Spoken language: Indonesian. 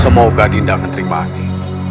semoga dindang menerimanya